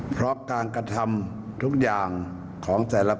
เพราะการกระทำทุกอย่างของแต่ละคน